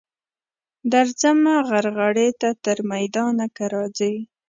درځمه غرغړې ته تر میدانه که راځې.